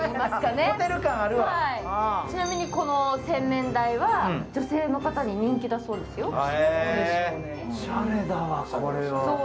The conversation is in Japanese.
ちなみにこの洗面台は女性の方に人気だそうですよ。